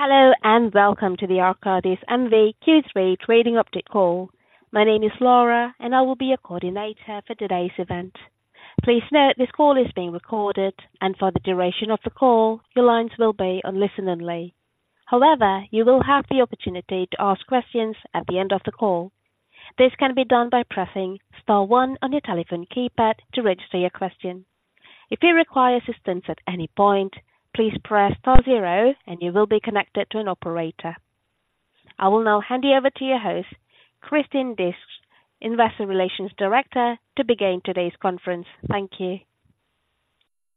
Hello, and welcome to the Arcadis and the Q3 trading update call. My name is Laura, and I will be your coordinator for today's event. Please note this call is being recorded, and for the duration of the call, your lines will be on listen only. However, you will have the opportunity to ask questions at the end of the call. This can be done by pressing star one on your telephone keypad to register your question. If you require assistance at any point, please press star zero and you will be connected to an operator. I will now hand you over to your host, Christine Disch, Investor Relations Director, to begin today's conference. Thank you.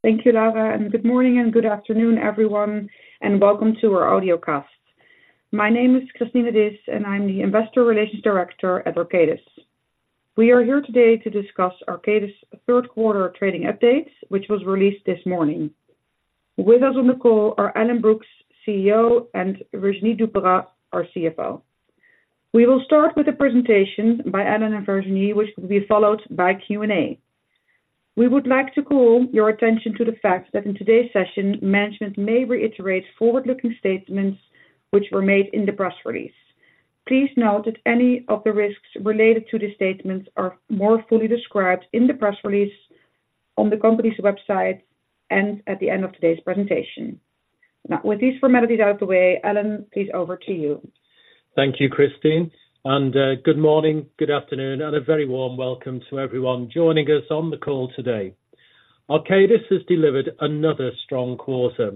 Thank you, Laura, and good morning and good afternoon, everyone, and welcome to our audio cast. My name is Christine Disch, and I'm the Investor Relations Director at Arcadis. We are here today to discuss Arcadis' third quarter trading update, which was released this morning. With us on the call are Alan Brookes, CEO, and Virginie Duperat-Vergne, our CFO. We will start with a presentation by Alan and Virginie, which will be followed by Q&A. We would like to call your attention to the fact that in today's session, management may reiterate forward-looking statements which were made in the press release. Please note that any of the risks related to the statements are more fully described in the press release on the company's website and at the end of today's presentation. Now, with these formalities out of the way, Alan, please over to you. Thank you, Christine, and, good morning, good afternoon, and a very warm welcome to everyone joining us on the call today. Arcadis has delivered another strong quarter.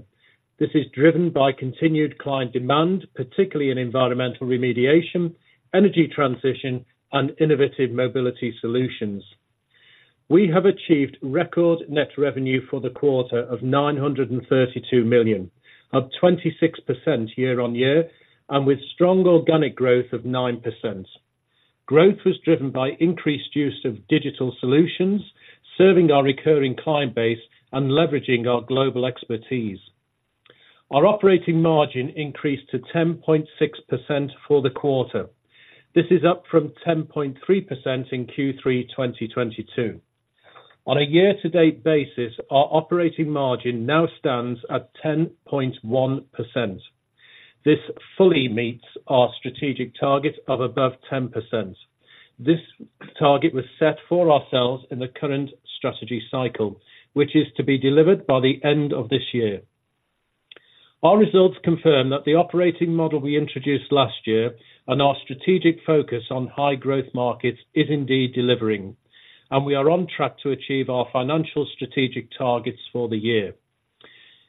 This is driven by continued client demand, particularly in environmental remediation, energy transition, and innovative mobility solutions. We have achieved record net revenue for the quarter of 932 million, up 26% year-on-year, and with strong organic growth of 9%. Growth was driven by increased use of digital solutions, serving our recurring client base and leveraging our global expertise. Our operating margin increased to 10.6% for the quarter. This is up from 10.3% in Q3 2022. On a year-to-date basis, our operating margin now stands at 10.1%. This fully meets our strategic target of above 10%. This target was set for ourselves in the current strategy cycle, which is to be delivered by the end of this year. Our results confirm that the operating model we introduced last year and our strategic focus on high growth markets is indeed delivering, and we are on track to achieve our financial strategic targets for the year.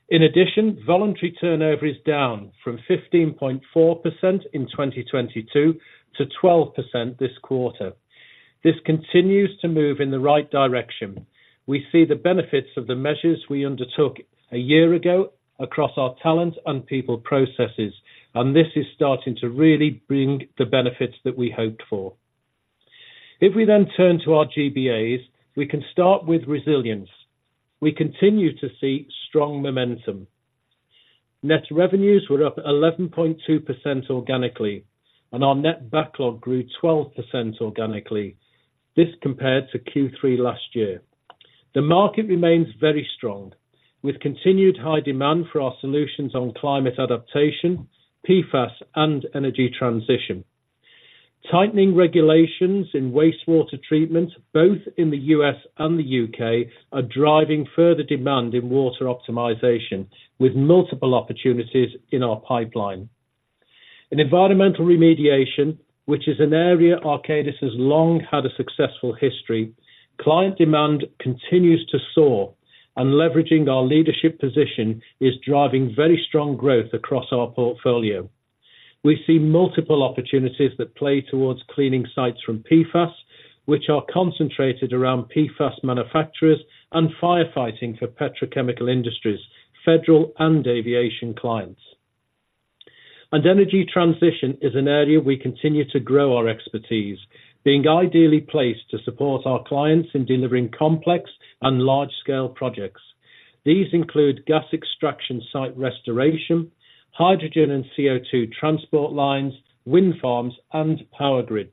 In addition, voluntary turnover is down from 15.4% in 2022 to 12% this quarter. This continues to move in the right direction. We see the benefits of the measures we undertook a year ago across our talent and people processes, and this is starting to really bring the benefits that we hoped for. If we then turn to our GBAs, we can start with Resilience. We continue to see strong momentum. Net revenues were up 11.2% organically, and our net backlog grew 12% organically. This compared to Q3 last year. The market remains very strong, with continued high demand for our solutions on climate adaptation, PFAS, and energy transition. Tightening regulations in wastewater treatment, both in the U.S. and the U.K., are driving further demand in water optimization, with multiple opportunities in our pipeline. In environmental remediation, which is an area Arcadis has long had a successful history, client demand continues to soar, and leveraging our leadership position is driving very strong growth across our portfolio. We see multiple opportunities that play towards cleaning sites from PFAS, which are concentrated around PFAS manufacturers and firefighting for petrochemical industries, federal and aviation clients. Energy transition is an area we continue to grow our expertise, being ideally placed to support our clients in delivering complex and large-scale projects. These include gas extraction, site restoration, hydrogen and CO2 transport lines, wind farms, and power grids.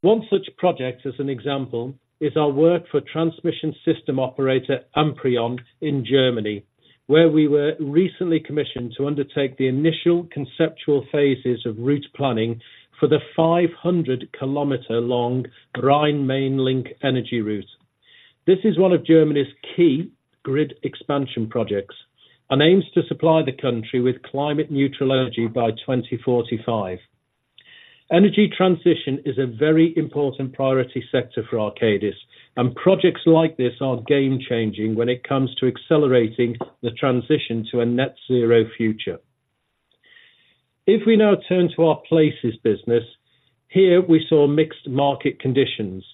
One such project, as an example, is our work for transmission system operator Amprion in Germany, where we were recently commissioned to undertake the initial conceptual phases of route planning for the 500-km-long Rhein-Main-Link energy route. This is one of Germany's key grid expansion projects and aims to supply the country with climate neutral energy by 2045. Energy transition is a very important priority sector for Arcadis, and projects like this are game changing when it comes to accelerating the transition to a net zero future. If we now turn to our Places business, here we saw mixed market conditions,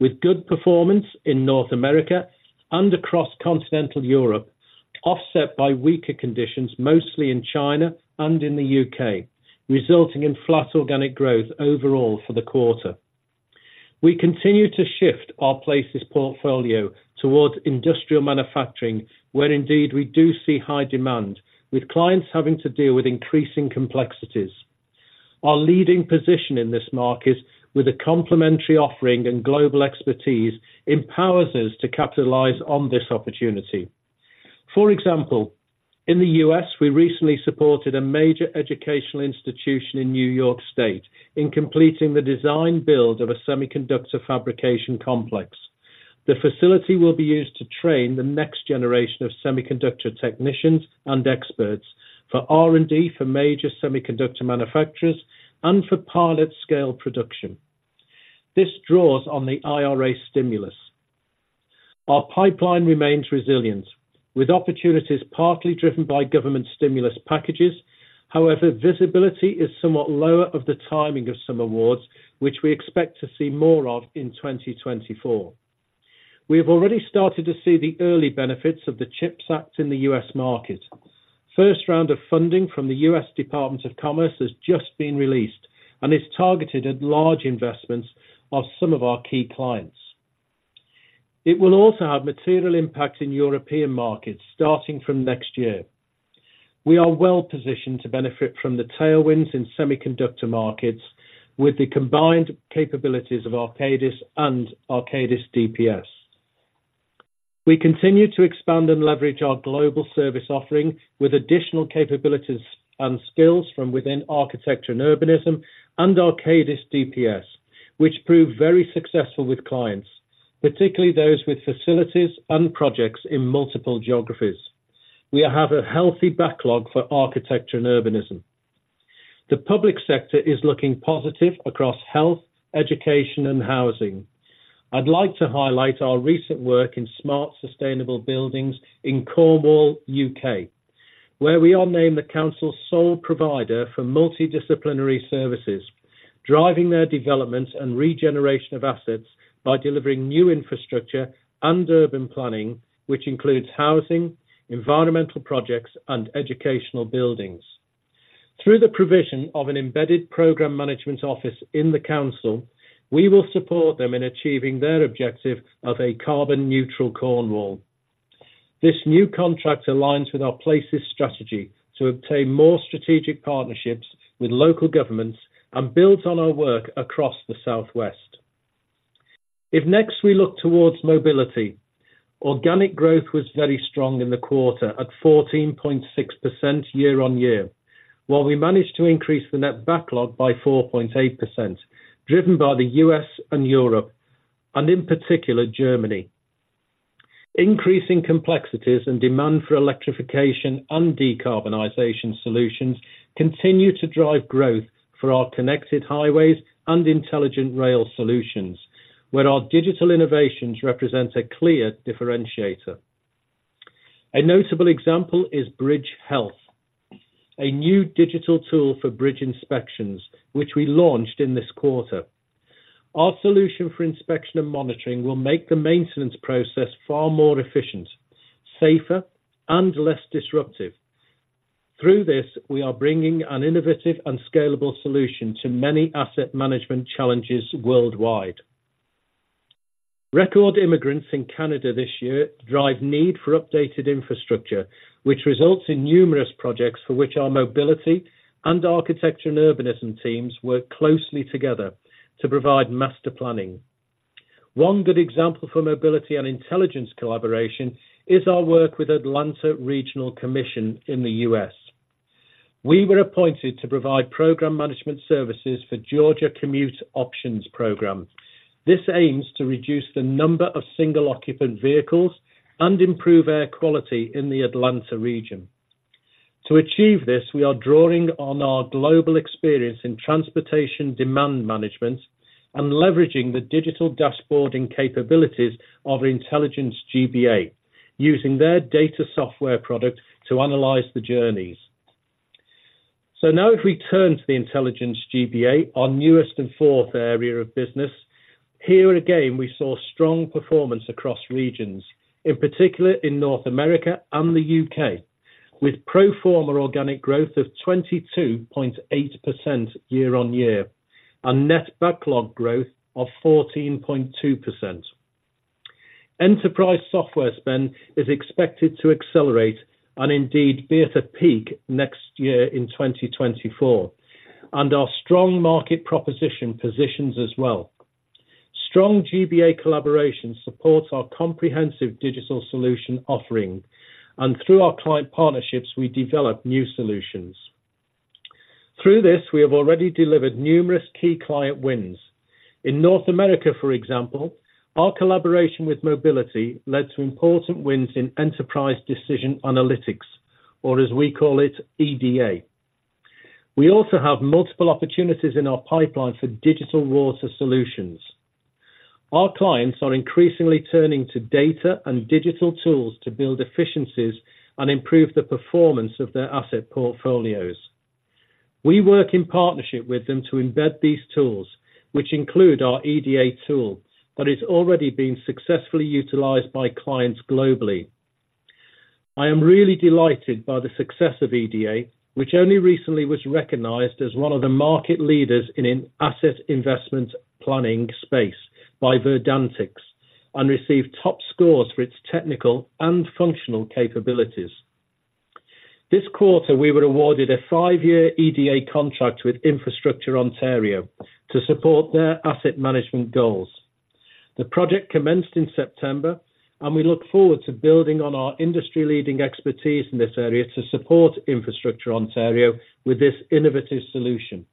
with good performance in North America and across continental Europe, offset by weaker conditions, mostly in China and in the U.K., resulting in flat organic growth overall for the quarter. We continue to shift our Places portfolio towards industrial manufacturing, where indeed we do see high demand, with clients having to deal with increasing complexities. Our leading position in this market, with a complementary offering and global expertise, empowers us to capitalize on this opportunity. For example, in the U.S., we recently supported a major educational institution in New York State in completing the design-build of a semiconductor fabrication complex. The facility will be used to train the next generation of semiconductor technicians and experts for R&D, for major semiconductor manufacturers, and for pilot-scale production. This draws on the IRA stimulus. Our pipeline remains resilient, with opportunities partly driven by government stimulus packages. However, visibility is somewhat lower of the timing of some awards, which we expect to see more of in 2024. We have already started to see the early benefits of the CHIPS Act in the U.S. market. First round of funding from the U.S. Department of Commerce has just been released and is targeted at large investments of some of our key clients. It will also have material impacts in European markets, starting from next year. We are well positioned to benefit from the tailwinds in semiconductor markets with the combined capabilities of Arcadis and Arcadis DPS. We continue to expand and leverage our global service offering with additional capabilities and skills from within Architecture and Urbanism and Arcadis DPS, which proved very successful with clients, particularly those with facilities and projects in multiple geographies. We have a healthy backlog for Architecture and Urbanism. The public sector is looking positive across health, education and housing. I'd like to highlight our recent work in smart, sustainable buildings in Cornwall, U.K., where we are named the council's sole provider for multidisciplinary services, driving their development and regeneration of assets by delivering new infrastructure and urban planning, which includes housing, environmental projects and educational buildings. Through the provision of an embedded program management office in the council, we will support them in achieving their objective of a carbon-neutral Cornwall. This new contract aligns with our Places strategy to obtain more strategic partnerships with local governments and builds on our work across the Southwest. If next we look towards Mobility, organic growth was very strong in the quarter, at 14.6% year-on-year, while we managed to increase the net backlog by 4.8%, driven by the U.S. and Europe, and in particular, Germany. Increasing complexities and demand for electrification and decarbonization solutions continue to drive growth for our connected highways and intelligent rail solutions, where our digital innovations represent a clear differentiator. A notable example is Bridge Health, a new digital tool for bridge inspections, which we launched in this quarter. Our solution for inspection and monitoring will make the maintenance process far more efficient, safer, and less disruptive. Through this, we are bringing an innovative and scalable solution to many asset management challenges worldwide. Record immigrants in Canada this year drive need for updated infrastructure, which results in numerous projects for which our Mobility and Architecture and Urbanism teams work closely together to provide master planning. One good example for Mobility and Intelligence collaboration is our work with Atlanta Regional Commission in the U.S. We were appointed to provide program management services for Georgia Commute Options program. This aims to reduce the number of single-occupant vehicles and improve air quality in the Atlanta region. To achieve this, we are drawing on our global experience in transportation demand management and leveraging the digital dashboard and capabilities of Intelligence GBA, using their data software product to analyze the journeys. So now if we turn to the Intelligence GBA, our newest and fourth area of business, here again, we saw strong performance across regions, in particular in North America and the U.K., with pro forma organic growth of 22.8% year-on-year and net backlog growth of 14.2%. Enterprise software spend is expected to accelerate and indeed be at a peak next year in 2024, and our strong market proposition positions as well. Strong GBA collaboration supports our comprehensive digital solution offering, and through our client partnerships, we develop new solutions. Through this, we have already delivered numerous key client wins. In North America, for example, our collaboration with Mobility led to important wins in Enterprise Decision Analytics, or as we call it, EDA. We also have multiple opportunities in our pipeline for digital water solutions. Our clients are increasingly turning to data and digital tools to build efficiencies and improve the performance of their asset portfolios. We work in partnership with them to embed these tools, which include our EDA tool, that is already being successfully utilized by clients globally. I am really delighted by the success of EDA, which only recently was recognized as one of the market leaders in an asset investment planning space by Verdantix. And received top scores for its technical and functional capabilities. This quarter, we were awarded a five-year EDA contract with Infrastructure Ontario to support their asset management goals. The project commenced in September, and we look forward to building on our industry-leading expertise in this area to support Infrastructure Ontario with this innovative solution.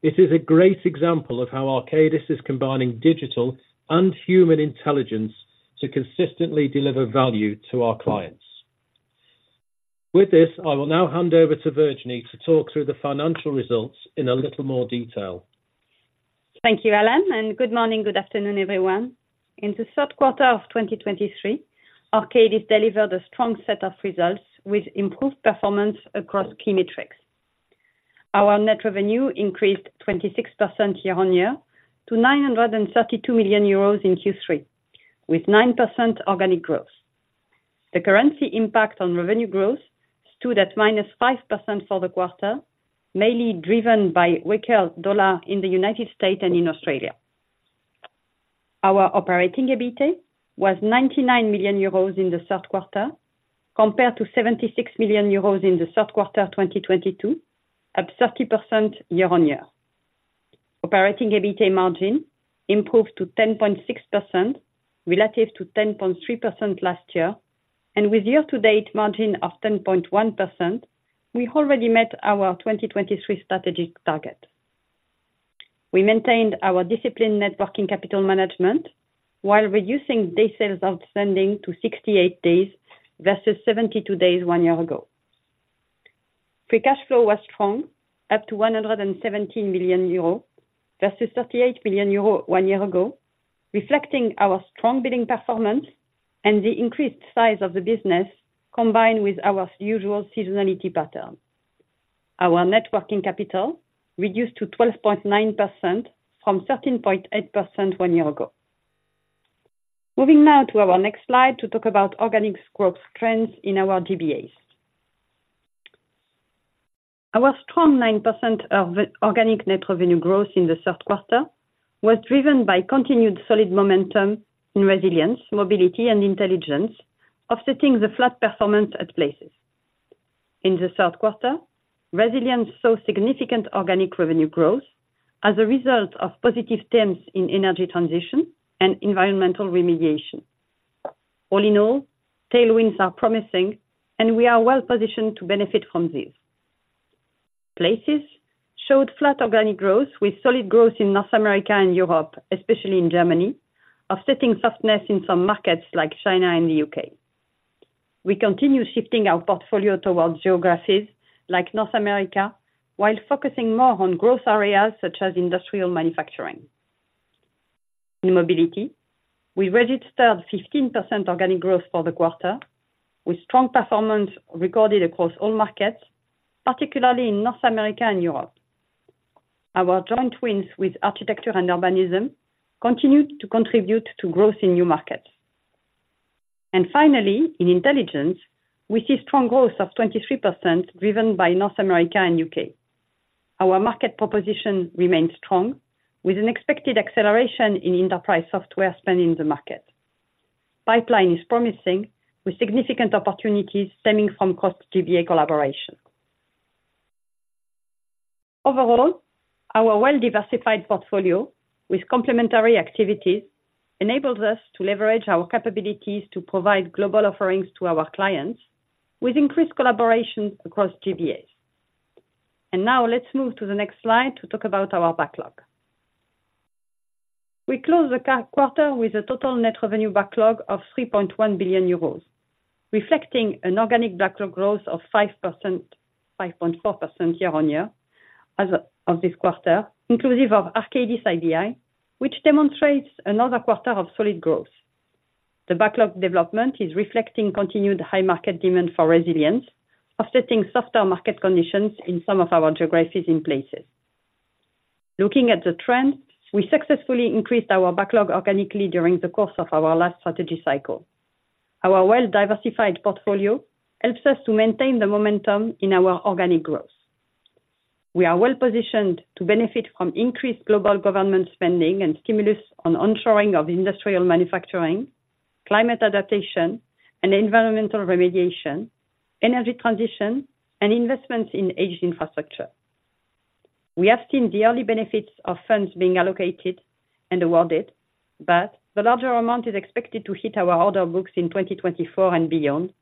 It is a great example of how Arcadis is combining digital and human Intelligence to consistently deliver value to our clients. With this, I will now hand over to Virginie to talk through the financial results in a little more detail. Thank you, Alan, and good morning, good afternoon, everyone. In the third quarter of 2023, Arcadis delivered a strong set of results with improved performance across key metrics. Our net revenue increased 26% year-on-year to 932 million euros in Q3, with 9% organic growth. The currency impact on revenue growth stood at -5% for the quarter, mainly driven by weaker dollar in the United States and in Australia. Our operating EBITA was 99 million euros in the third quarter, compared to 76 million euros in the third quarter of 2022, up 30% year-on-year. Operating EBITA margin improved to 10.6% relative to 10.3% last year. And with year-to-date margin of 10.1%, we already met our 2023 strategic target. We maintained our disciplined net working capital management while reducing day sales outstanding to 68 days versus 72 days one year ago. Free cash flow was strong, up to 117 million euro, versus 38 million euro one year ago, reflecting our strong billing performance and the increased size of the business, combined with our usual seasonality pattern. Our net working capital reduced to 12.9% from 13.8% one year ago. Moving now to our next slide to talk about organic growth trends in our GBAs. Our strong 9% of organic net revenue growth in the third quarter was driven by continued solid momentum in Resilience, Mobility, and Intelligence, offsetting the flat performance at Places. In the third quarter, Resilience saw significant organic revenue growth as a result of positive trends in energy transition and environmental remediation. All in all, tailwinds are promising, and we are well positioned to benefit from these. Places showed flat organic growth, with solid growth in North America and Europe, especially in Germany, offsetting softness in some markets like China and the U.K. We continue shifting our portfolio towards geographies like North America, while focusing more on growth areas such as industrial manufacturing. In Mobility, we registered 15% organic growth for the quarter, with strong performance recorded across all markets, particularly in North America and Europe. Our joint wins with Architecture and Urbanism continued to contribute to growth in new markets. And finally, in Intelligence, we see strong growth of 23%, driven by North America and U.K. Our market proposition remains strong, with an expected acceleration in enterprise software spend in the market. Pipeline is promising, with significant opportunities stemming from cross GBA collaboration. Overall, our well-diversified portfolio with complementary activities enables us to leverage our capabilities to provide global offerings to our clients, with increased collaboration across GBAs. Now let's move to the next slide to talk about our backlog. We closed the quarter with a total net revenue backlog of 3.1 billion euros, reflecting an organic backlog growth of 5%, 5.4% year-on-year as of this quarter, inclusive of Arcadis IBI, which demonstrates another quarter of solid growth. The backlog development is reflecting continued high market demand for Resilience, offsetting softer market conditions in some of our geographies in Places. Looking at the trends, we successfully increased our backlog organically during the course of our last strategy cycle. Our well-diversified portfolio helps us to maintain the momentum in our organic growth. We are well positioned to benefit from increased global government spending and stimulus on onshoring of industrial manufacturing, climate adaptation and environmental remediation, energy transition, and investments in aged infrastructure. We have seen the early benefits of funds being allocated and awarded, but the larger amount is expected to hit our order books in 2024 and beyond,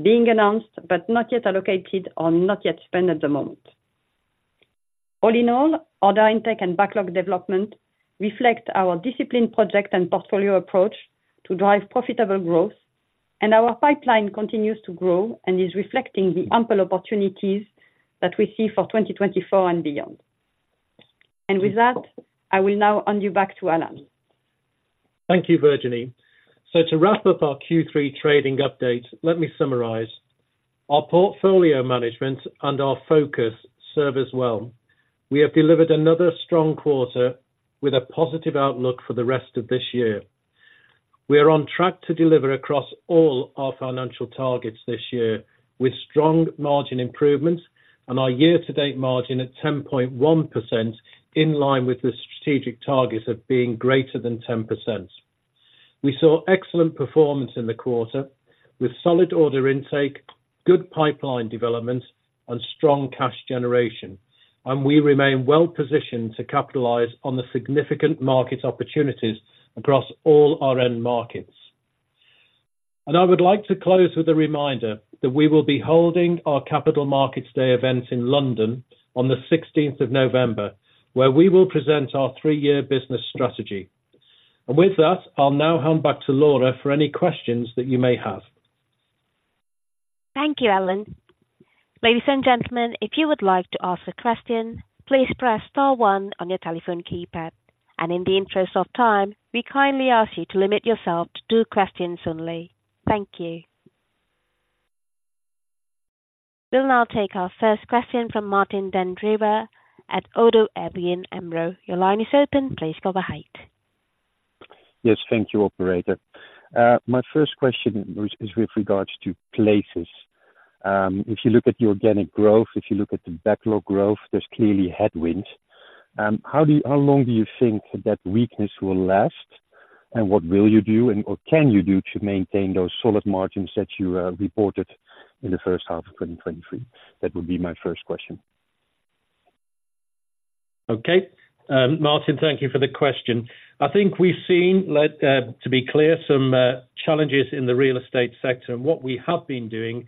being announced but not yet allocated or not yet spent at the moment. All in all, order intake and backlog development reflect our disciplined project and portfolio approach to drive profitable growth, and our pipeline continues to grow and is reflecting the ample opportunities that we see for 2024 and beyond. With that, I will now hand you back to Alan. Thank you, Virginie. So to wrap up our Q3 trading update, let me summarize. Our portfolio management and our focus serve us well. We have delivered another strong quarter with a positive outlook for the rest of this year. We are on track to deliver across all our financial targets this year, with strong margin improvements and our year-to-date margin at 10.1%, in line with the strategic targets of being greater than 10%. We saw excellent performance in the quarter, with solid order intake, good pipeline development, and strong cash generation. And we remain well positioned to capitalize on the significant market opportunities across all our end markets. And I would like to close with a reminder, that we will be holding our Capital Markets Day event in London on the sixteenth of November, where we will present our three-year business strategy. With that, I'll now hand back to Laura for any questions that you may have. Thank you, Alan. Ladies and gentlemen, if you would like to ask a question, please press star one on your telephone keypad. In the interest of time, we kindly ask you to limit yourself to two questions only. Thank you. We'll now take our first question from Martijn den Drijver at Oddo BHF. Your line is open. Please go ahead. Yes, thank you, operator. My first question was, is with regards to Places. If you look at the organic growth, if you look at the backlog growth, there's clearly headwinds. How long do you think that weakness will last? And what will you do and, or can you do to maintain those solid margins that you reported in the first half of 2023? That would be my first question. Okay. Martijn, thank you for the question. I think we've seen, to be clear, some challenges in the real estate sector, and what we have been doing is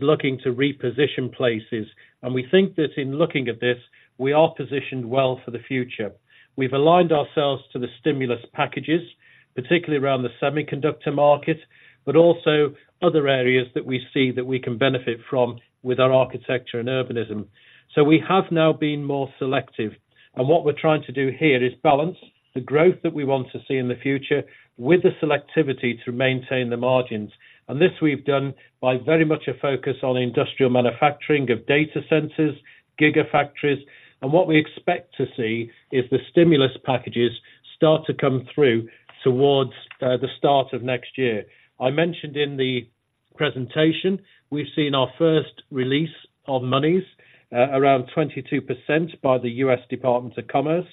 looking to reposition Places. We think that in looking at this, we are positioned well for the future. We've aligned ourselves to the stimulus packages, particularly around the semiconductor market, but also other areas that we see that we can benefit from with our Architecture and Urbanism. So we have now been more selective, and what we're trying to do here is balance the growth that we want to see in the future, with the selectivity to maintain the margins. And this we've done by very much a focus on industrial manufacturing of data centers, gigafactories, and what we expect to see is the stimulus packages start to come through towards the start of next year. I mentioned in the presentation, we've seen our first release of monies around 22% by the U.S. Department of Commerce,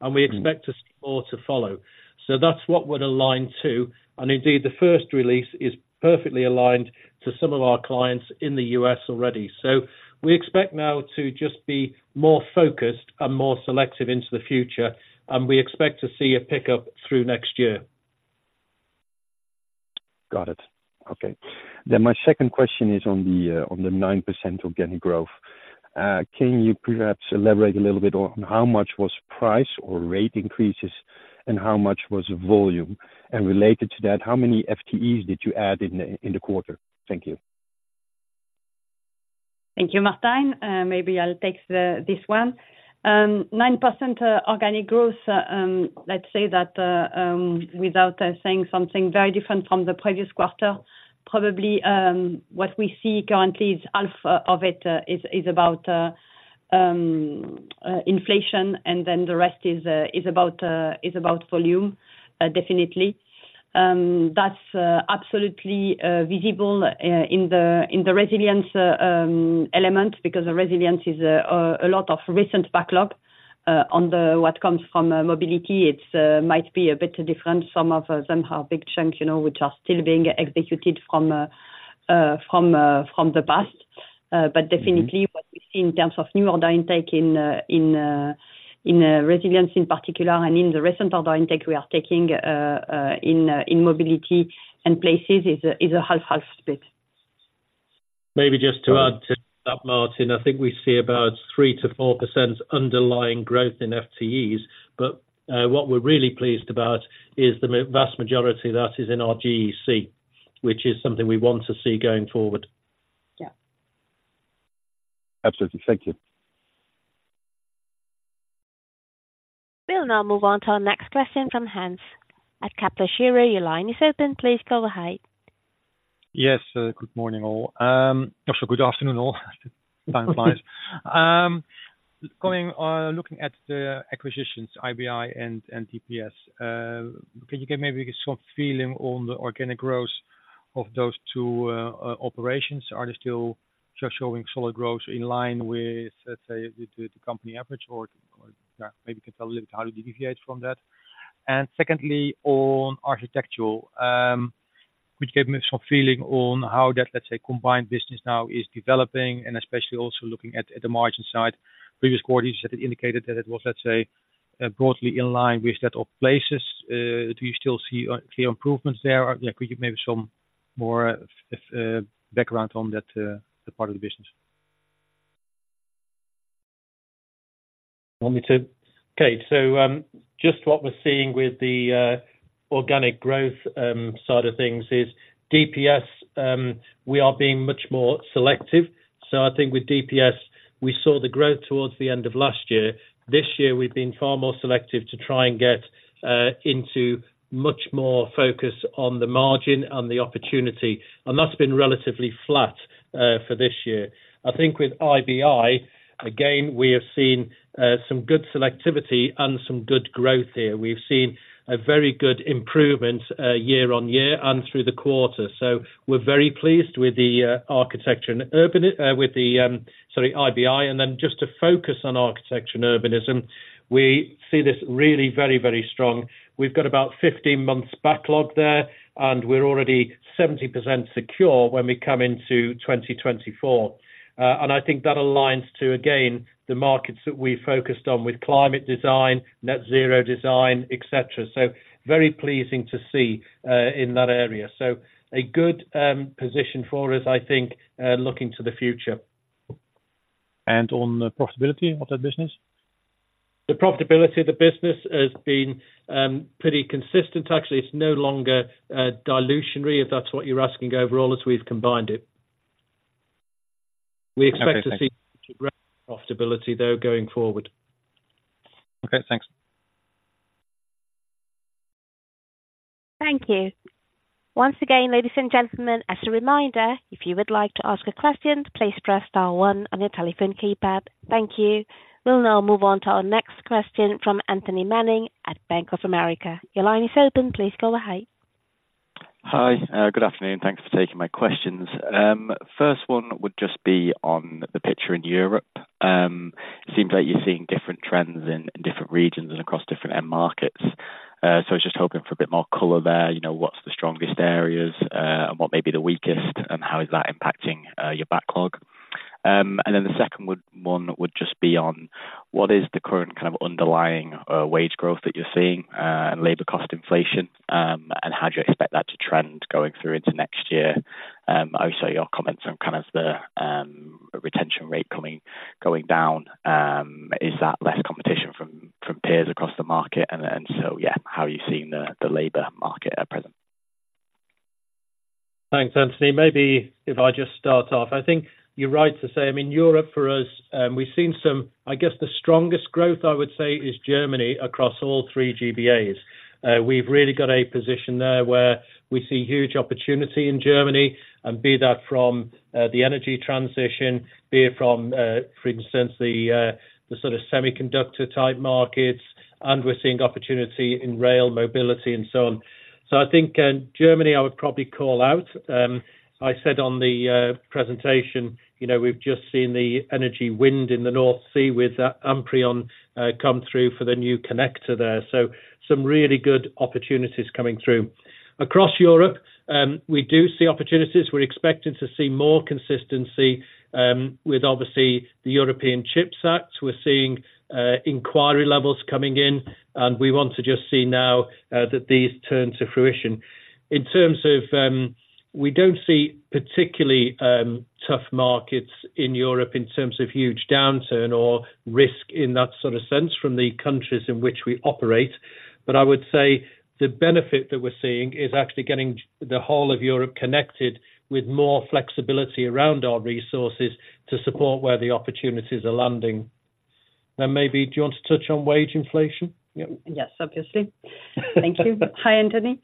and we expect to see more to follow. So that's what would align to, and indeed, the first release is perfectly aligned to some of our clients in the U.S. already. So we expect now to just be more focused and more selective into the future, and we expect to see a pickup through next year. Got it. Okay. Then my second question is on the 9% organic growth. Can you perhaps elaborate a little bit on how much was price or rate increases, and how much was volume? And related to that, how many FTEs did you add in the quarter? Thank you. Thank you, Martijn. Maybe I'll take this one. 9% organic growth, let's say that, without saying something very different from the previous quarter, probably, what we see currently is half of it is about inflation, and then the rest is about volume, definitely. That's absolutely visible in the Resilience element, because the Resilience is a lot of recent backlog. On what comes from Mobility, it might be a bit different. Some of them are big chunks, you know, which are still being executed from the past. But definitely what we see in terms of new order intake in Resilience in particular, and in the recent order intake we are taking in Mobility and Places is a 50/50 split. Maybe just to add to that, Martijn, I think we see about 3%-4% underlying growth in FTEs, but, what we're really pleased about is the vast majority that is in our GEC, which is something we want to see going forward. Yeah. Absolutely. Thank you. We'll now move on to our next question from Hans at Kepler Cheuvreux. Your line is open. Please go ahead. Yes, good morning, all. Also good afternoon, all. Time flies. Going, looking at the acquisitions, IBI and DPS. Can you give maybe some feeling on the organic growth of those two operations? Are they still showing solid growth in line with, let's say, the company average, or maybe you can tell a little bit how it deviates from that. And secondly, on architectural, would give me some feeling on how that, let's say, combined business now is developing, and especially also looking at the margin side. Previous quarters, you said it indicated that it was, let's say, broadly in line with that of Places. Do you still see clear improvements there? Yeah, could you maybe some more background on that part of the business? Okay, so just what we're seeing with the organic growth side of things is DPS. We are being much more selective. So I think with DPS, we saw the growth towards the end of last year. This year we've been far more selective to try and get into much more focus on the margin and the opportunity, and that's been relatively flat for this year. I think with IBI. Again, we have seen some good selectivity and some good growth here. We've seen a very good improvement year on year and through the quarter. So we're very pleased with the Architecture and Urban with the sorry, IBI. And then just to focus on Architecture and Urbanism, we see this really very very strong. We've got about 15 months backlog there, and we're already 70% secure when we come into 2024. And I think that aligns to, again, the markets that we focused on with climate design, net zero design, et cetera. So very pleasing to see in that area. So a good position for us, I think, looking to the future. On the profitability of that business? The profitability of the business has been pretty consistent. Actually, it's no longer dilutionary, if that's what you're asking, overall, as we've combined it. We expect to see- Okay, thanks. Profitability, though, going forward. Okay, thanks. Thank you. Once again, ladies and gentlemen, as a reminder, if you would like to ask a question, please press star one on your telephone keypad. Thank you. We'll now move on to our next question from Anthony Manning at Bank of America. Your line is open. Please go ahead. Hi. Good afternoon. Thanks for taking my questions. First one would just be on the picture in Europe. Seems like you're seeing different trends in different regions and across different end markets. So I was just hoping for a bit more color there, you know, what's the strongest areas, and what may be the weakest, and how is that impacting your backlog? And then the second one would just be on what is the current kind of underlying wage growth that you're seeing, and labor cost inflation, and how do you expect that to trend going through into next year? Also, your comments on kind of the retention rate coming, going down. Is that less competition from peers across the market? And then, so yeah, how are you seeing the labor market at present? Thanks, Anthony. Maybe if I just start off. I think you're right to say, I mean, Europe for us, we've seen some, I guess the strongest growth, I would say, is Germany, across all three GBAs. We've really got a position there where we see huge opportunity in Germany, and be that from the energy transition, be it from, for instance, the sort of semiconductor-type markets, and we're seeing opportunity in rail Mobility and so on. So I think, Germany, I would probably call out. I said on the presentation, you know, we've just seen the energy win in the North Sea with Amprion come through for the new connector there. So some really good opportunities coming through. Across Europe, we do see opportunities. We're expecting to see more consistency with obviously, the European Chips Act. We're seeing inquiry levels coming in, and we want to just see now that these turn to fruition. In terms of, we don't see particularly tough markets in Europe in terms of huge downturn or risk in that sort of sense from the countries in which we operate. But I would say the benefit that we're seeing is actually getting the whole of Europe connected with more flexibility around our resources to support where the opportunities are landing. And maybe do you want to touch on wage inflation? Yeah. Yes, obviously. Thank you. Hi, Anthony.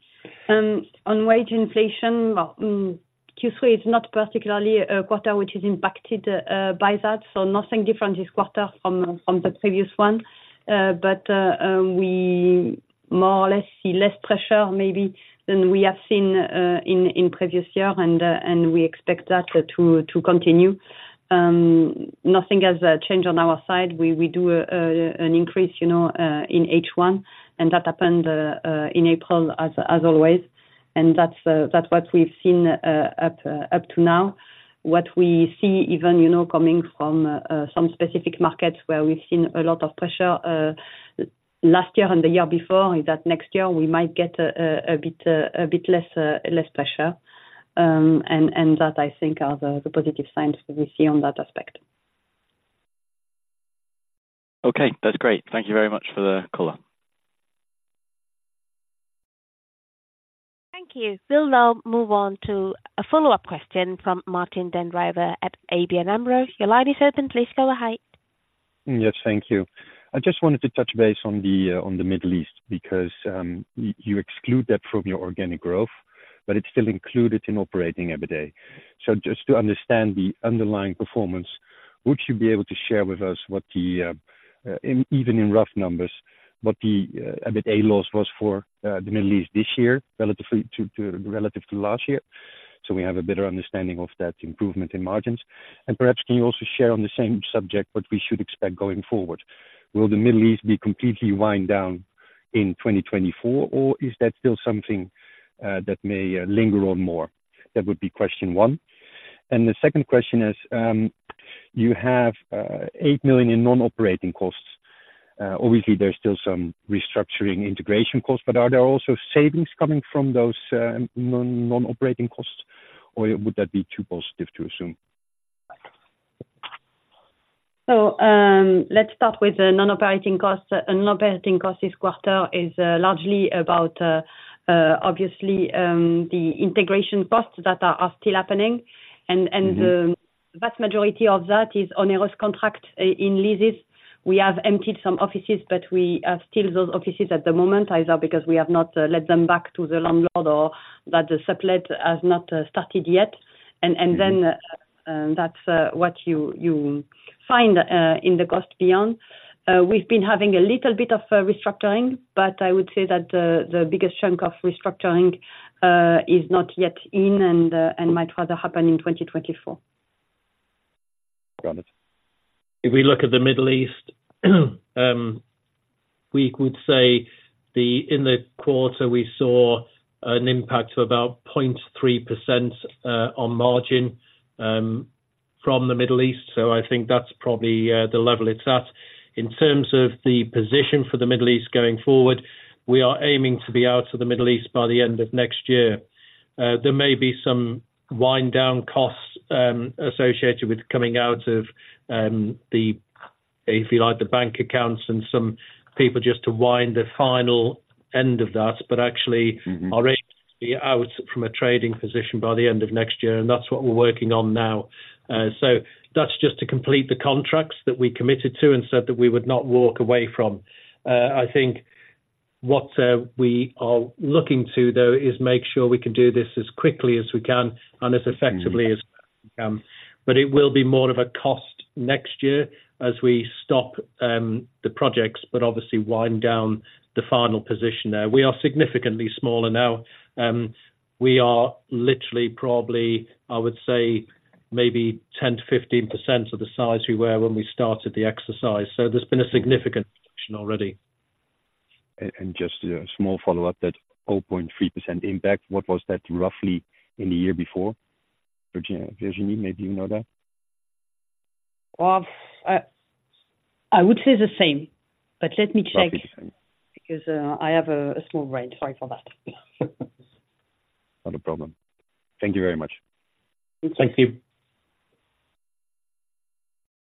On wage inflation, well, Q3 is not particularly a quarter which is impacted by that, so nothing different this quarter from the previous one. But we more or less see less pressure, maybe, than we have seen in previous year, and we expect that to continue. Nothing has changed on our side. We do an increase, you know, in H1, and that happened in April, as always, and that's what we've seen up to now. What we see even, you know, coming from some specific markets where we've seen a lot of pressure last year and the year before, is that next year we might get a bit less pressure. And that, I think, are the positive signs that we see on that aspect. Okay, that's great. Thank you very much for the color. Thank you. We'll now move on to a follow-up question from Martijn den Drijver at Oddo BHF. Your line is open. Please go ahead. Yes, thank you. I just wanted to touch base on the Middle East, because you exclude that from your organic growth, but it's still included in operating EBITA. So just to understand the underlying performance, would you be able to share with us what the even in rough numbers, what the EBITA loss was for the Middle East this year, relative to last year, so we have a better understanding of that improvement in margins? And perhaps can you also share on the same subject, what we should expect going forward? Will the Middle East be completely wind down in 2024, or is that still something that may linger on more? That would be question one. And the second question is, you have 8 million in non-operating costs. Obviously there's still some restructuring integration costs, but are there also savings coming from those non-operating costs, or would that be too positive to assume? So, let's start with the non-operating costs. Non-operating costs this quarter is largely about, obviously, the integration costs that are still happening. Mm-hmm. The vast majority of that is on a contract in leases. We have emptied some offices, but we have still those offices at the moment, either because we have not let them back to the landlord or that the sublet has not started yet. And then, that's what you find in the cost beyond. We've been having a little bit of a restructuring, but I would say that the biggest chunk of restructuring is not yet in and might rather happen in 2024. Got it. If we look at the Middle East, we could say in the quarter, we saw an impact of about 0.3%, on margin, from the Middle East. So I think that's probably the level it's at. In terms of the position for the Middle East going forward, we are aiming to be out of the Middle East by the end of next year. There may be some wind down costs, associated with coming out of, the, if you like, the bank accounts and some people just to wind the final end of that, but actually- Mm-hmm. Already be out from a trading position by the end of next year, and that's what we're working on now. So that's just to complete the contracts that we committed to and said that we would not walk away from. I think what we are looking to, though, is make sure we can do this as quickly as we can and as effectively. Mm-hmm As we can. But it will be more of a cost next year as we stop the projects, but obviously wind down the final position there. We are significantly smaller now. We are literally probably, I would say, maybe 10%-15% of the size we were when we started the exercise. So there's been a significant reduction already. And just a small follow-up, that all 0.3% impact, what was that roughly in the year before? Virginie, maybe you know that? Well, I would say the same, but let me check- Okay. Because I have a small brain. Sorry for that. Not a problem. Thank you very much. Thank you.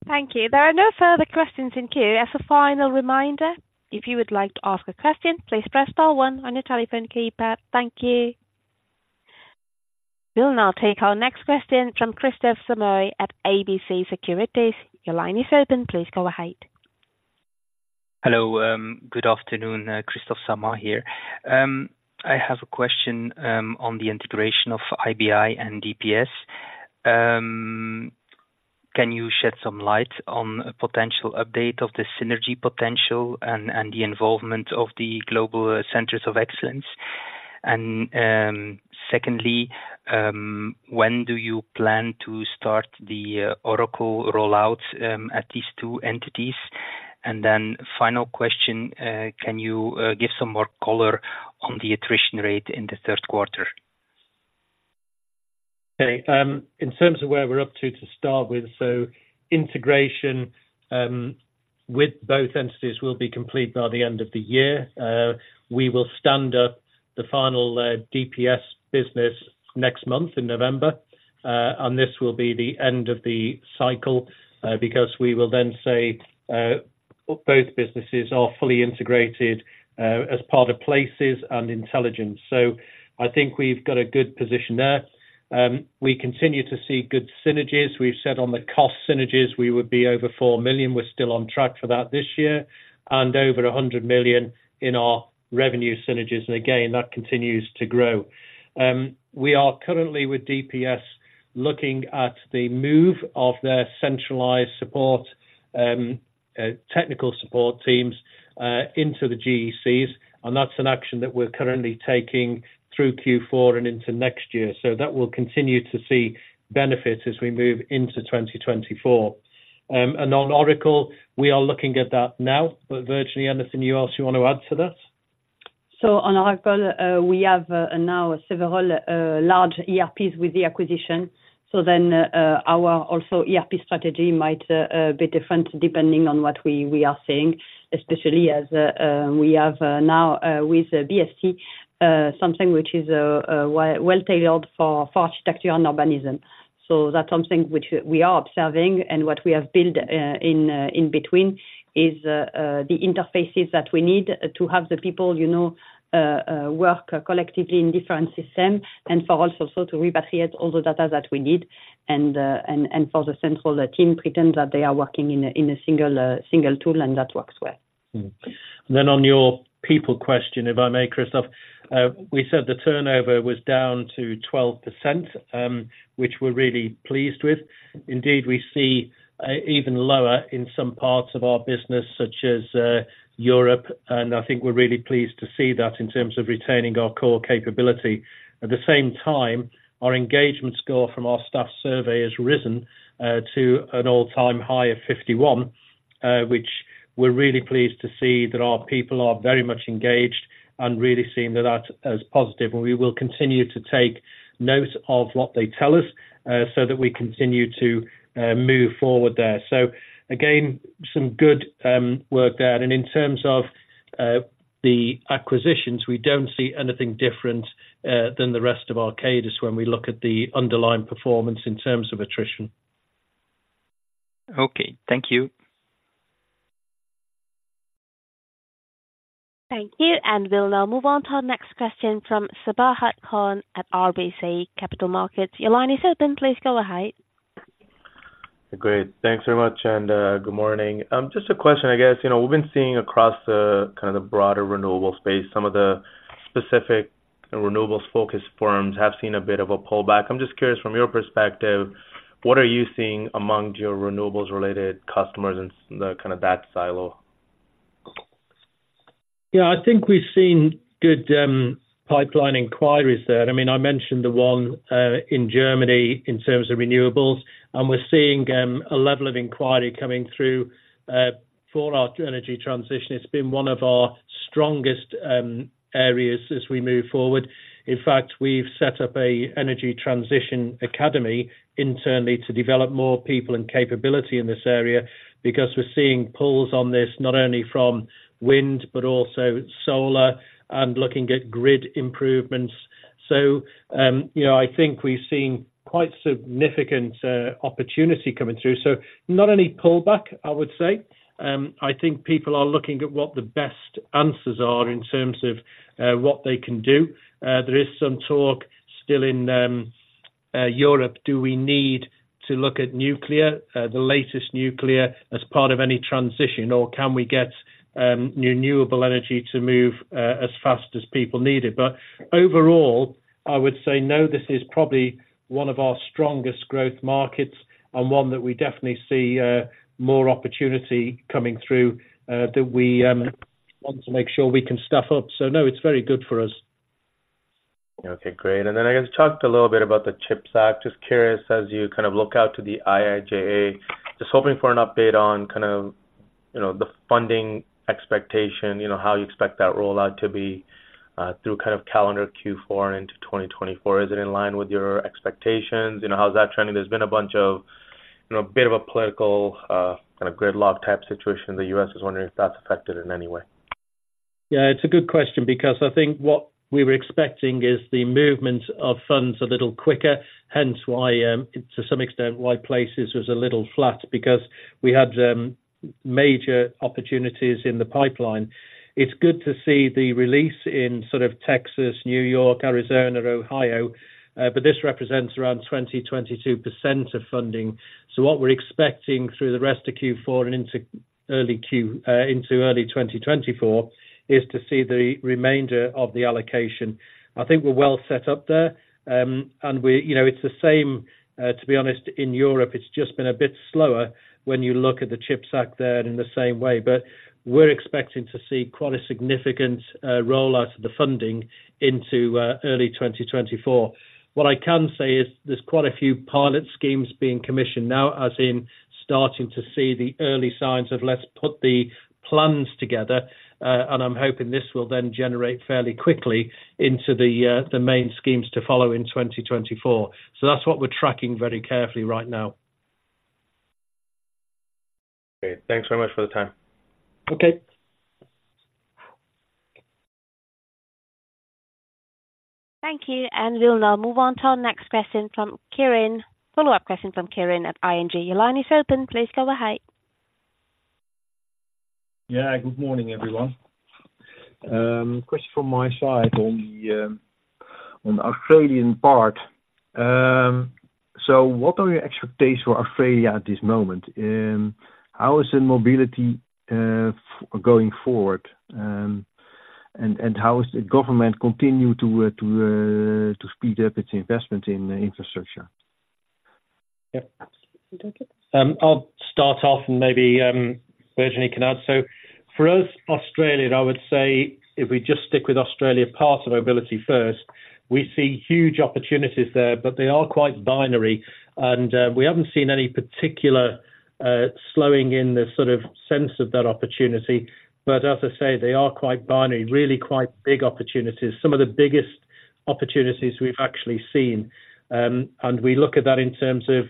Thank you. There are no further questions in queue. As a final reminder, if you would like to ask a question, please press star one on your telephone keypad. Thank you. We'll now take our next question from Kristof Samoy at KBC Securities. Your line is open. Please go ahead. Hello. Good afternoon, Kristof Samoy here. I have a question on the integration of IBI and DPS. Can you shed some light on a potential update of the synergy potential and the involvement of the global centers of excellence? And secondly, when do you plan to start the Oracle rollout at these two entities? And then final question, can you give some more color on the attrition rate in the third quarter? Okay, in terms of where we're up to, to start with, so integration with both entities will be complete by the end of the year. We will stand up the final DPS business next month in November, and this will be the end of the cycle, because we will then say both businesses are fully integrated as part of Places and Intelligence. So I think we've got a good position there. We continue to see good synergies. We've said on the cost synergies, we would be over 4 million. We're still on track for that this year, and over 100 million in our revenue synergies, and again, that continues to grow. We are currently with DPS, looking at the move of their centralized support, technical support teams, into the GECs, and that's an action that we're currently taking through Q4 and into next year. So that will continue to see benefits as we move into 2024. And on Oracle, we are looking at that now. But Virginie, anything else you want to add to that? So on Oracle, we have now several large ERPs with the acquisition. So then, our also ERP strategy might be different depending on what we are seeing, especially as we have now with BST something which is well tailored for Architecture and Urbanism. So that's something which we are observing and what we have built in between is the interfaces that we need to have the people, you know, work collectively in different system, and for also so to repatriate all the data that we need, and, and for the central team pretend that they are working in a single tool, and that works well. Mm-hmm. Then on your people question, if I may, Kristof, we said the turnover was down to 12%, which we're really pleased with. Indeed, we see even lower in some parts of our business, such as Europe, and I think we're really pleased to see that in terms of retaining our core capability. At the same time, our engagement score from our staff survey has risen to an all-time high of 51, which we're really pleased to see that our people are very much engaged and really seeing that as positive. And we will continue to take note of what they tell us, so that we continue to move forward there. So again, some good work there. In terms of the acquisitions, we don't see anything different than the rest of Arcadis when we look at the underlying performance in terms of attrition. Okay. Thank you. Thank you. And we'll now move on to our next question from Sabahat Khan at RBC Capital Markets. Your line is open. Please go ahead. Great. Thanks very much, and, good morning. Just a question, I guess, you know, we've been seeing across the kind of broader renewable space, some of the specific renewables-focused firms have seen a bit of a pullback. I'm just curious, from your perspective, what are you seeing among your renewables-related customers and the kind of that silo? Yeah, I think we've seen good pipeline inquiries there. I mean, I mentioned the one in Germany in terms of renewables, and we're seeing a level of inquiry coming through for our energy transition. It's been one of our strongest areas as we move forward. In fact, we've set up an energy transition academy internally to develop more people and capability in this area because we're seeing pulls on this, not only from wind, but also solar and looking at grid improvements. So, you know, I think we've seen quite significant opportunity coming through. So not any pullback, I would say. I think people are looking at what the best answers are in terms of what they can do. There is some talk still in Europe, do we need to look at nuclear, the latest nuclear, as part of any transition, or can we get renewable energy to move as fast as people need it? But overall, I would say, no, this is probably one of our strongest growth markets and one that we definitely see more opportunity coming through, that we want to make sure we can staff up. So no, it's very good for us. Okay, great. And then, I guess you talked a little bit about the CHIPS Act. Just curious, as you kind of look out to the IIJA, just hoping for an update on kind of, you know, the funding expectation, you know, how you expect that rollout to be, through kind of calendar Q4 into 2024. Is it in line with your expectations? You know, how is that trending? There's been a bunch of, you know, a bit of a political, kind of gridlock type situation in the U.S. I was wondering if that's affected in any way. Yeah, it's a good question because I think what we were expecting is the movement of funds a little quicker, hence why, to some extent, why Places was a little flat, because we had major opportunities in the pipeline. It's good to see the release in sort of Texas, New York, Arizona, Ohio, but this represents around 22% of funding. So what we're expecting through the rest of Q4 and into early 2024 is to see the remainder of the allocation. I think we're well set up there. And we, you know, it's the same, to be honest, in Europe, it's just been a bit slower when you look at the CHIPS Act there in the same way. But we're expecting to see quite a significant rollout of the funding into early 2024. What I can say is there's quite a few pilot schemes being commissioned now, as in starting to see the early signs of let's put the plans together, and I'm hoping this will then generate fairly quickly into the, the main schemes to follow in 2024. So that's what we're tracking very carefully right now. Great. Thanks very much for the time. Okay. Thank you. We'll now move on to our next question from Quirijn. Follow-up question from Quirijn at ING. Your line is open. Please go ahead. Yeah, good morning, everyone. A question from my side on the Australian part. So what are your expectations for Australia at this moment? How is the Mobility going forward, and how is the government continue to speed up its investment in infrastructure? Yeah. I'll start off and maybe, Virginie can add. So for us, Australia, I would say if we just stick with Australia, part of Mobility first, we see huge opportunities there, but they are quite binary and, we haven't seen any particular, slowing in the sort of sense of that opportunity. But as I say, they are quite binary, really quite big opportunities, some of the biggest opportunities we've actually seen. And we look at that in terms of,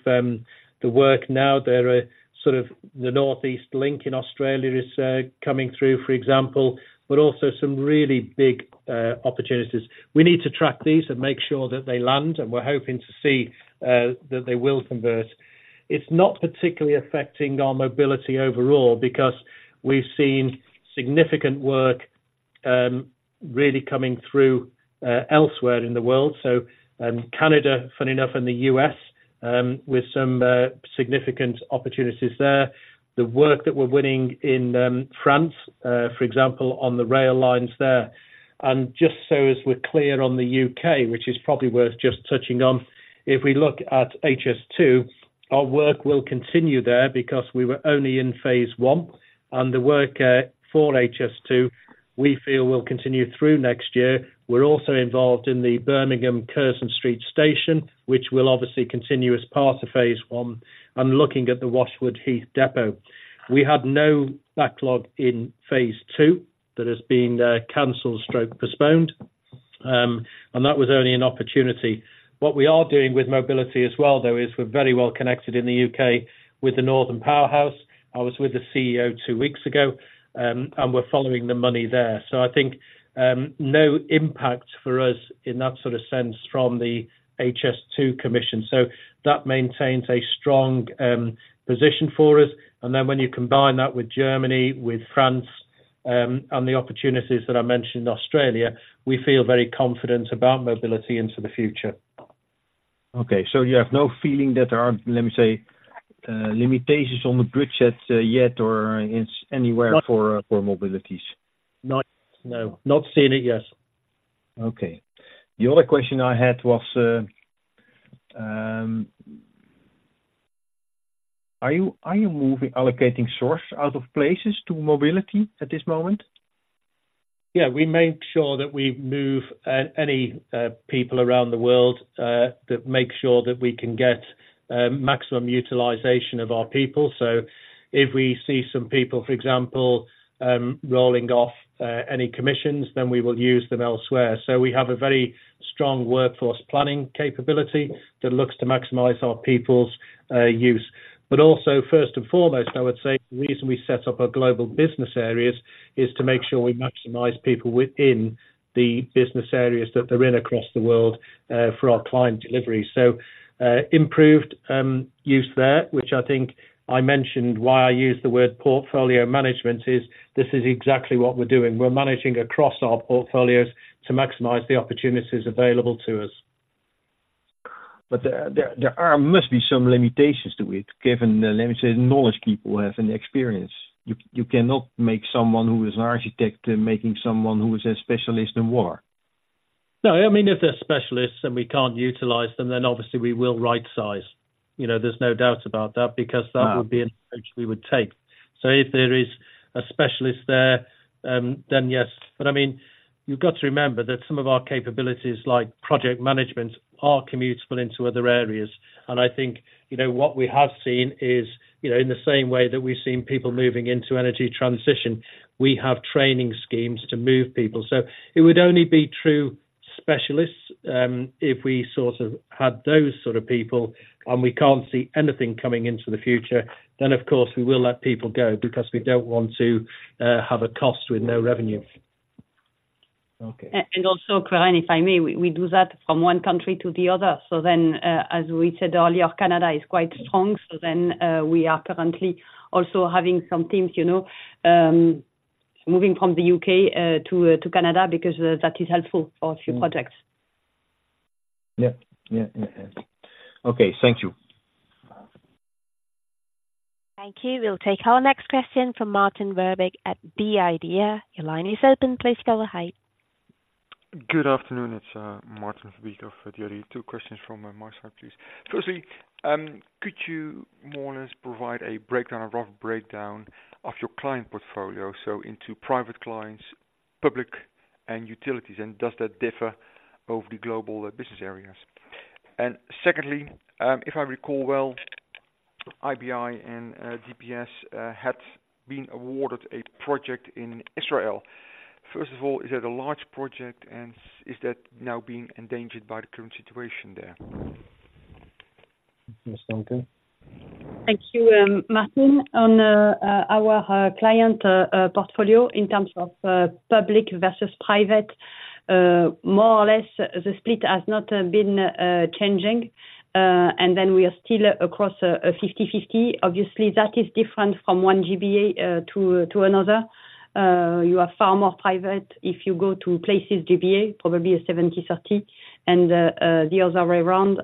the work now. There are sort of the North East Link in Australia is, coming through, for example, but also some really big, opportunities. We need to track these and make sure that they land, and we're hoping to see, that they will convert. It's not particularly affecting our Mobility overall because we've seen significant work, really coming through, elsewhere in the world. So, Canada, funny enough, in the U.S., with some, significant opportunities there. The work that we're winning in, France, for example, on the rail lines there. And just so as we're clear on the U.K., which is probably worth just touching on, if we look at HS2, our work will continue there because we were only in Phase 1, and the work, for HS2, we feel will continue through next year. We're also involved in the Birmingham Curzon Street station, which will obviously continue as part of Phase 1, and looking at the Washwood Heath depot. We had no backlog in Phase 2 that has been, canceled stroke, postponed, and that was only an opportunity. What we are doing with Mobility as well, though, is we're very well connected in the U.K. with the Northern Powerhouse. I was with the CEO two weeks ago, and we're following the money there. So I think no impact for us in that sort of sense from the HS2 Commission. So that maintains a strong position for us, and then when you combine that with Germany, with France, and the opportunities that I mentioned in Australia, we feel very confident about Mobility into the future. Okay, so you have no feeling that there are, let me say, limitations on the bridgeheads, yet, or it's anywhere for, for mobilities? No, not seen it yet. Okay. The other question I had was, are you moving, allocating source out of Places to Mobility at this moment? Yeah, we make sure that we move any people around the world that make sure that we can get maximum utilization of our people. So if we see some people, for example, rolling off any commissions, then we will use them elsewhere. So we have a very strong workforce planning capability that looks to maximize our people's use. But also, first and foremost, I would say the reason we set up our Global Business Areas is to make sure we maximize people within the business areas that they're in across the world for our client delivery. So improved use there, which I think I mentioned why I use the word Portfolio Management, is this is exactly what we're doing. We're managing across our portfolios to maximize the opportunities available to us. But there must be some limitations to it, given the limited knowledge people have and the experience. You cannot make someone who is an architect, and making someone who is a specialist in water. No, I mean, if they're specialists and we can't utilize them, then obviously we will rightsize. You know, there's no doubt about that, because that would be an approach we would take. So if there is a specialist there, then yes. But I mean, you've got to remember that some of our capabilities, like project management, are commutable into other areas. And I think, you know, what we have seen is, you know, in the same way that we've seen people moving into energy transition, we have training schemes to move people. So it would only be true specialists, if we sort of had those sort of people, and we can't see anything coming into the future, then of course, we will let people go because we don't want to have a cost with no revenue. Okay. Also, Quirijn, if I may, we do that from one country to the other. So, as we said earlier, Canada is quite strong. So, we are currently also having some teams, you know, moving from the U.K. to Canada, because that is helpful for a few projects. Yeah. Yeah. Yeah, yeah. Okay. Thank you. Thank you. We'll take our next question from Maarten Verbeek at The Idea. Your line is open. Please go ahead. Good afternoon. It's Maarten Verbeek of The Idea. Two questions from my side, please. Firstly, could you more or less provide a breakdown, a rough breakdown of your client portfolio, so into private clients, public and utilities, and does that differ over the global business areas? And secondly, if I recall well, IBI and DPS had been awarded a project in Israel. First of all, is that a large project, and is that now being endangered by the current situation there? Yes, Virginie? Thank you, Maarten. On our client portfolio in terms of public versus private, more or less, the split has not been changing, and then we are still across a 50/50. Obviously, that is different from one GBA to another. You are far more private if you go to Places GBA, probably a 70/30, and the other way around,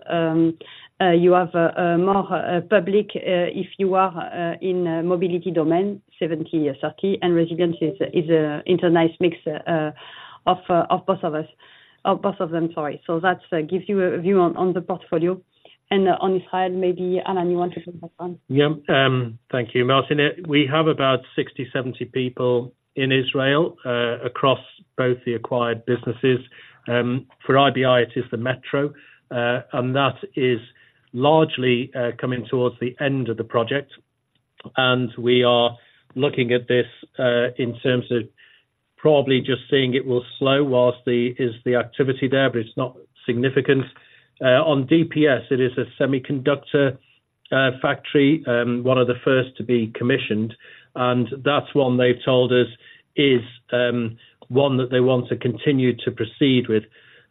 you have more public if you are in Mobility domain, 70/30, and Resilience is a international mix of both of us, of both of them. Sorry. So that gives you a view on the portfolio. And on this side, maybe, Alan, you want to talk about that one? Yeah. Thank you, Maarten. We have about 60 people-70 people in Israel across both the acquired businesses. For IBI, it is the metro, and that is largely coming towards the end of the project, and we are looking at this in terms of probably just seeing it will slow whilst the activity there, but it's not significant. On DPS, it is a semiconductor factory, one of the first to be commissioned, and that's one they've told us is one that they want to continue to proceed with.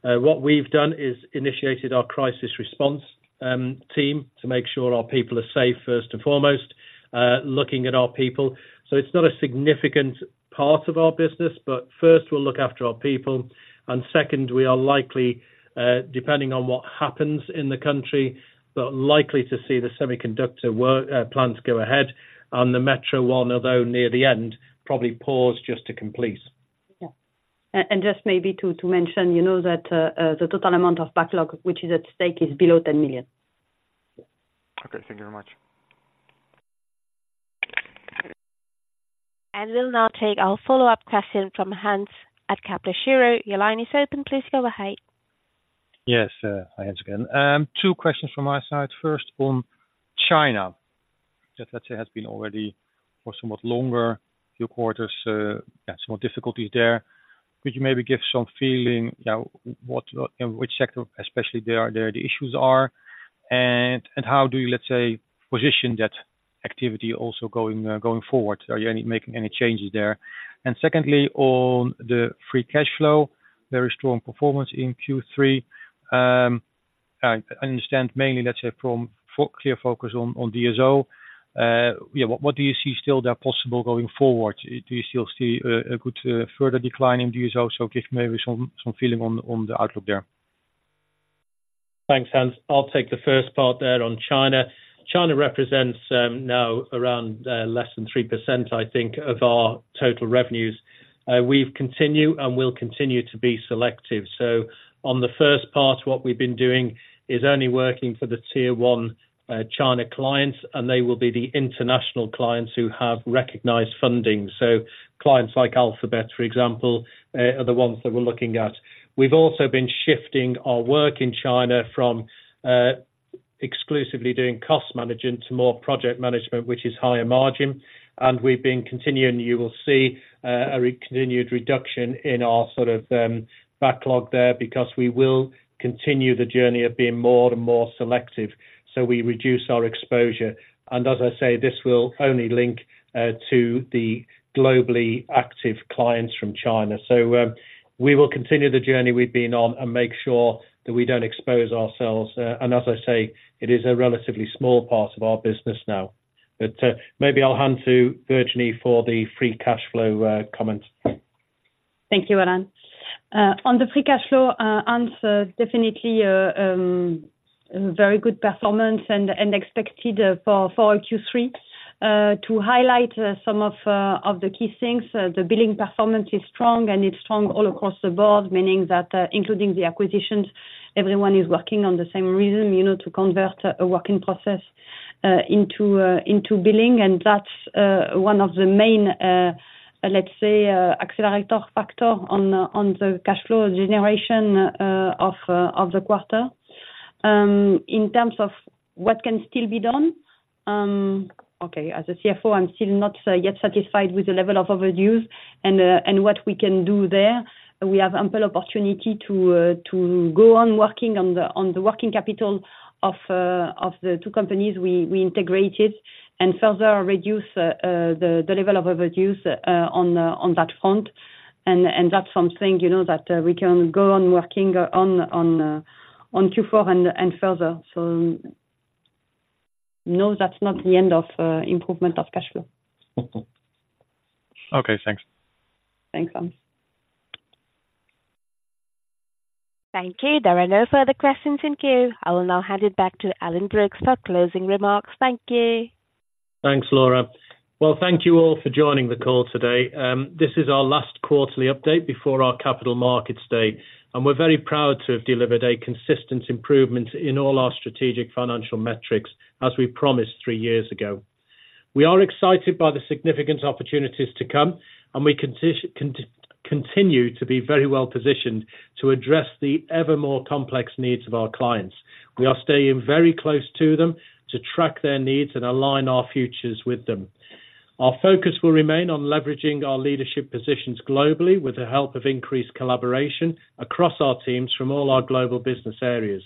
What we've done is initiated our crisis response team to make sure our people are safe first and foremost, looking at our people. It's not a significant part of our business, but first we'll look after our people, and second, we are likely, depending on what happens in the country, but likely to see the semiconductor work, plans go ahead. The metro one, although near the end, probably pause just to complete. Yeah. And just maybe to mention, you know, that the total amount of backlog which is at stake is below 10 million. Okay. Thank you very much. We'll now take our follow-up question from Hans at Kepler Cheuvreux. Your line is open. Please go ahead. Yes, hi, Hans again. Two questions from my side. First, on China, that I say has been already for somewhat longer, few quarters, some more difficulties there. Could you maybe give some feeling, what, which sector, especially there, the issues are? And, how do you, let's say, position that activity also going, going forward? Are you making any changes there? And secondly, on the free cash flow, very strong performance in Q3. I understand mainly, let's say from clear focus on, on DSO. Yeah, what do you see still there possible going forward? Do you still see, a good, further decline in DSO? So give maybe some feeling on the, on the outlook there. Thanks, Hans. I'll take the first part there on China. China represents now around less than 3%, I think, of our total revenues. We've continued and will continue to be selective. So on the first part, what we've been doing is only working for the Tier 1 China clients, and they will be the international clients who have recognized funding. So clients like Alibaba, for example, are the ones that we're looking at. We've also been shifting our work in China from exclusively doing cost management to more project management, which is higher margin. And we've been continuing. You will see a re-continued reduction in our sort of backlog there, because we will continue the journey of being more and more selective, so we reduce our exposure. And as I say, this will only link to the globally active clients from China. So, we will continue the journey we've been on and make sure that we don't expose ourselves. And as I say, it is a relatively small part of our business now. But, maybe I'll hand to Virginie for the free cash flow, comment. Thank you, Alan. On the free cash flow, Hans, definitely a very good performance and expected for Q3. To highlight some of the key things, the billing performance is strong, and it's strong all across the board, meaning that, including the acquisitions, everyone is working on the same rhythm, you know, to convert a work in process into billing. And that's one of the main, let's say, accelerator factor on the cash flow generation of the quarter. In terms of what can still be done, okay, as a CFO, I'm still not yet satisfied with the level of overdues and what we can do there. We have ample opportunity to go on working on the working capital of the two companies we integrated, and further reduce the level of overdues on that front. And that's something, you know, that we can go on working on Q4 and further. So no, that's not the end of improvement of cash flow. Okay, thanks. Thanks, Hans. Thank you. There are no further questions in queue. I will now hand it back to Alan Brookes for closing remarks. Thank you. Thanks, Laura. Well, thank you all for joining the call today. This is our last quarterly update before our Capital Markets Day, and we're very proud to have delivered a consistent improvement in all our strategic financial metrics, as we promised three years ago. We are excited by the significant opportunities to come, and we continue to be very well positioned to address the ever more complex needs of our clients. We are staying very close to them to track their needs and align our futures with them. Our focus will remain on leveraging our leadership positions globally, with the help of increased collaboration across our teams from all our Global Business Areas.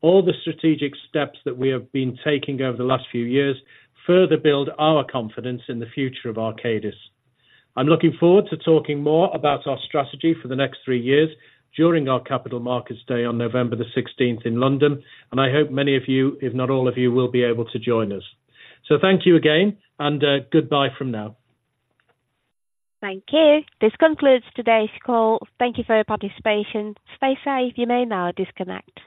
All the strategic steps that we have been taking over the last few years further build our confidence in the future of Arcadis. I'm looking forward to talking more about our strategy for the next three years during our Capital Markets Day on November the 16th in London, and I hope many of you, if not all of you, will be able to join us. So thank you again, and goodbye from now. Thank you. This concludes today's call. Thank you for your participation. Stay safe. You may now disconnect.